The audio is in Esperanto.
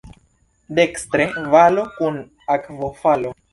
Dekstre valo kun akvofalo.